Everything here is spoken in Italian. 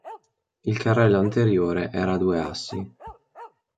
Il carrello anteriore era a due assi.